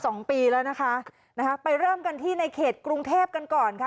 สองปีแล้วนะคะนะคะไปเริ่มกันที่ในเขตกรุงเทพกันก่อนค่ะ